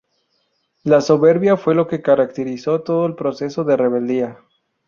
La soberbia fue lo que caracterizó todo el proceso de rebeldía.